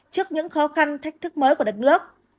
trước những khó khăn thách thức mới của đất nước